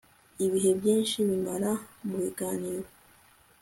ibihe byinshi bimara mubiganiro